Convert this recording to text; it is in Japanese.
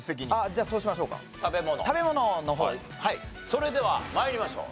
それでは参りましょう。